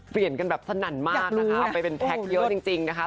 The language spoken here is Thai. เปลี่ยนกันแบบสนั่นมากเอาไปเป็นแพ็คเยอะจริงนะคะ